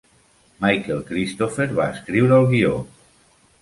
Michael Cristofer va escriure el guió.